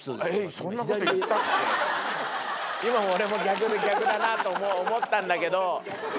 今俺も逆だなと思ったんだけど。